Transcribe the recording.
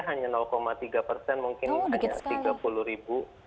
hanya tiga persen mungkin hanya tiga puluh ribu